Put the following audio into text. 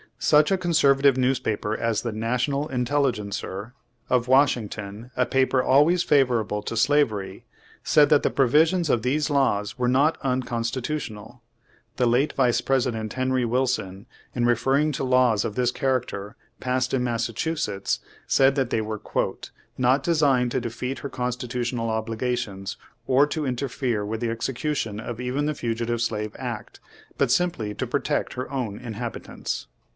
Such a conservative newspaper as the National Intelligencer, of Washington, a paper always favorable to slavery, said that the pro visions of these laws were not unconstitutional. The late Vice President Henry Wilson, in refer ring to laws of this character passed in Massachu Page Twenty six setts, said that they were "not designed to defeat her constitutional obligations, or to interfere with the execution of even the Fugitive Slave Act, but simply to protect her own inhabitants."